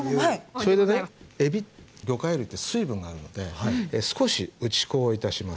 それでねえび魚介類って水分があるので少し打ち粉をいたします。